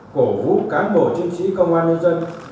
cổ vũ cán bộ chiến sĩ công an nhân dân